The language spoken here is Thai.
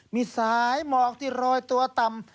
มีสายหมอกที่โรยตัวต่ำ